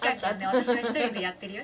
私は１人でやってるよ。